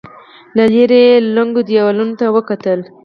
له ليرې يې ړنګو دېوالونو ته وکتل.